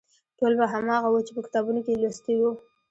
ټول به هماغه و چې په کتابونو کې یې لوستي وو.